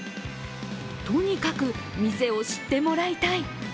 とにかく店を知ってもらいたい。